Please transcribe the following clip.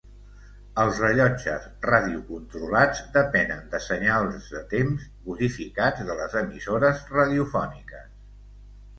Els rellotges radiocontrolats depenen de senyals de temps codificats de les emissores radiofòniques.